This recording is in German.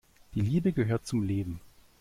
Die Liebe gehört zum Leben.